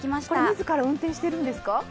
自ら運転しているんですか。